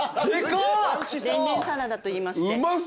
れんれんサラダといいまして。